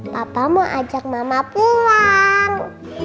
papa mau ajak mama pulang